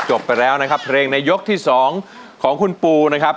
ไปแล้วนะครับเพลงในยกที่๒ของคุณปูนะครับ